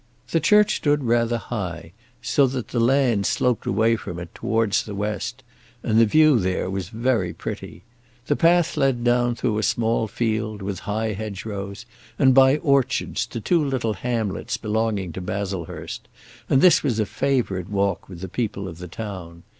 The church stood rather high, so that the land sloped away from it towards the west, and the view there was very pretty. The path led down through a small field, with high hedgerows, and by orchards, to two little hamlets belonging to Baslehurst, and this was a favourite walk with the people of the town.